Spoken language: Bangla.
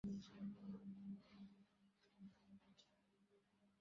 আর কোথাও আমার শরীরের অপরার্ধ সুবর্ণে পরিণত হইল না।